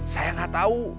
saya gak tahu